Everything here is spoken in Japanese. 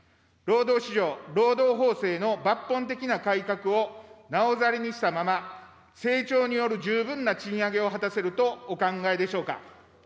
労働市場、労働法制の抜本的な改革をなおざりにしたまま、成長による十分な賃上げを果たせるとお考えでしょうか。